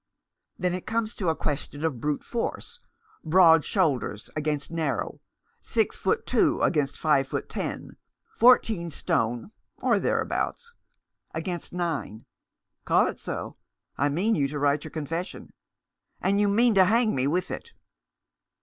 " Then it comes to a question of brute force — broad shoulders against narrow, six foot two against five foot ten, fourteen stone "" Or thereabouts." "Against nine." " Call it so. I mean you to write your confes sion !"" And you mean to hang me with it